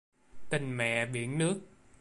Tình mẹ biển nước